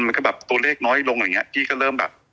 มันก็แบบตัวเลขน้อยลงอย่างเงี้พี่ก็เริ่มแบบ